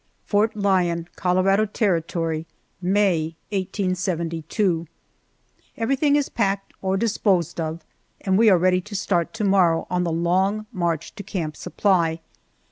FORT LYON, COLORADO TERRITORY, May, 1872. EVERYTHING is packed or disposed of, and we are ready to start to morrow on the long march to Camp Supply.